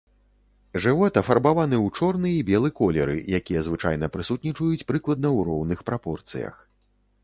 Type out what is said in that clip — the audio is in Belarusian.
Жывот афарбаваны ў чорны і белы колеры, якія звычайна прысутнічаюць прыкладна ў роўных прапорцыях.